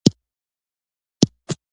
یو پلان پېشنهاد کړ.